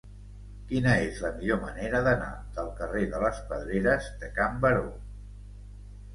Quina és la millor manera d'anar del carrer de les Pedreres de Can Baró